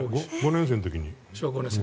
５年生の時に。